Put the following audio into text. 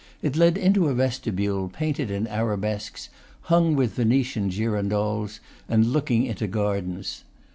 It led into a vestibule, painted in arabesques, hung with Venetian girandoles, and looking into gardens.